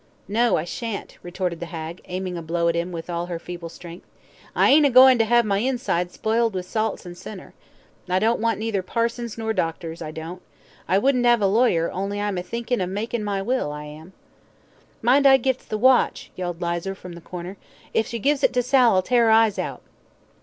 "No, I shan't," retorted the hag, aiming a blow at him with all her feeble strength. "I ain't a goin' to have my inside spil'd with salts and senner. I don't want neither parsons nor doctors, I don't. I wouldn't 'ave a lawyer, only I'm a thinkin' of makin' my will, I am." "Mind I gits the watch," yelled Lizer, from the corner. "If you gives it to Sal I'll tear her eyes out."